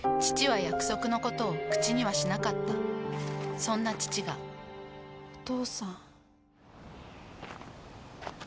父は約束のことを口にはしなかったそんな父がお父さん。